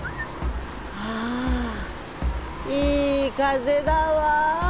ああいい風だわ。